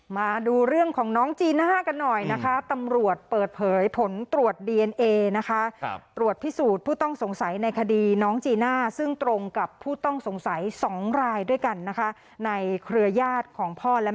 มาดูเรื่องของน้องจีน่ากันหน่อยนะคะตำรวจเปิดเผยผลตรวจดีเอ